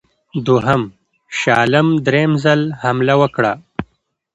دوهم شاه عالم درېم ځل حمله وکړه.